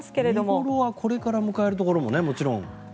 見頃はこれから迎えるところももちろん。